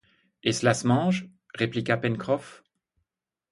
Et cela se mange? répliqua Pencroff.